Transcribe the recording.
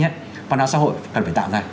nhất văn hóa xã hội cần phải tạo ra